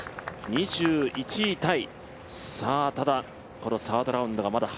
２１位タイ。